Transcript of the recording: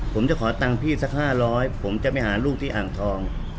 ผมจะขอตังค์พี่สัก๕๐๐ผมจะไปหาลูกที่อ่างทอง